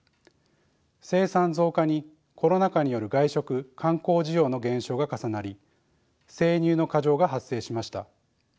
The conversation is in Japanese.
生産増加にコロナ禍による外食・観光需要の減少が重なり生乳の過剰が発生しました。